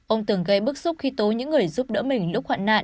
ông từng gây bức xúc khi tố những người giúp đỡ mình lúc hoạn nạn